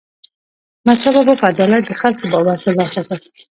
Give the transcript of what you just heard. احمدشاه بابا په عدالت د خلکو باور ترلاسه کړ.